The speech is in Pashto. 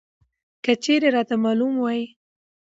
که چېرې راته معلوم وى!